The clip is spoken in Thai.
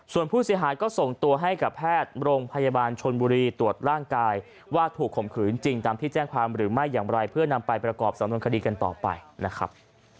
ส่วนผู้เสียหายก็ส่งตัวให้กับแพทย์โรงพยาบาลชนบุรีตรวจร่างกายว่าถูกข่มขืนจริงตามที่แจ้งความหรือไม่อย่างไรเพื่อนำไปประกอบสำนวนคดีกันต่อไปนะครับ